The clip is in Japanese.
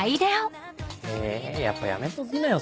えやっぱやめときなよ